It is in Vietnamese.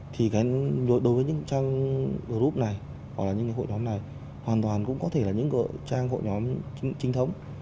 thì đối với những trang group này hoặc là những hội nhóm này hoàn toàn cũng có thể là những trang hội nhóm trinh thống